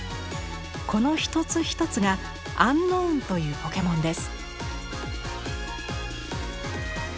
この一つ一つがアンノーンというポケモンです。